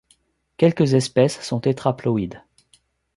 Quelques espèces sont tétraploïdes.